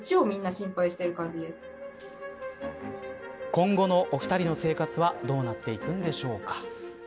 今後のお二人の生活はどうなっていくんでしょうか。